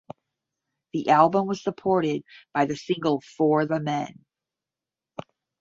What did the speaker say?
The album was supported by the single "For the Men".